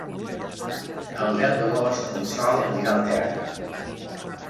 El deu d'agost en Sol anirà al teatre.